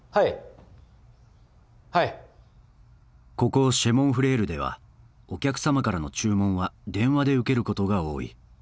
ここシェ・モン・フレールではお客様からの注文は電話で受けることが多い。